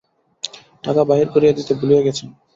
টাকা বাহির করিয়া দিতে ভুলিয়া গেছেন।